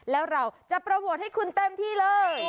แล้วเราจะโปรโมทให้คุณเต็มที่เลย